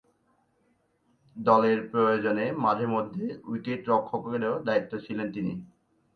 দলের প্রয়োজনে মাঝে-মধ্যে উইকেট-রক্ষকেরও দায়িত্বে ছিলেন তিনি।